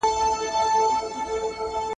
هر انسان د خپلې ګټي حق لري.